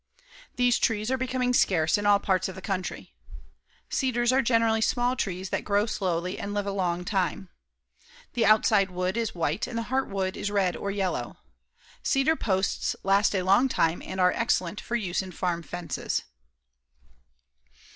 These trees are becoming scarce in all parts of the country. Cedars generally are small trees that grow slowly and live a long time. The outside wood is white and the heartwood is red or yellow. Cedar posts last a long time and are excellent for use in farm fences.